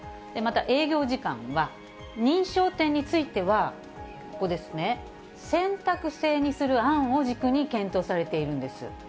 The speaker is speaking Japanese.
また営業時間は認証店については、ここですね、選択制にする案を軸に検討されているんです。